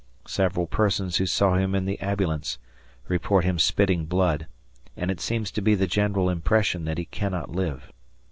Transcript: Several persons who saw him in the ambulance report him spitting blood, and it seems to be the general impression that he cannot live.